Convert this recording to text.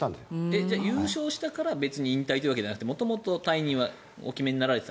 じゃあ、優勝したから別に引退を決めたわけじゃなくて元々、退任はお決めになられていた？